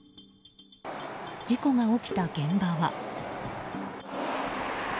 事故が起きた現場は。